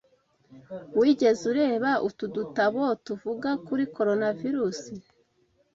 Wigeze ureba utu dutabo tuvuga kuri Coronavirus?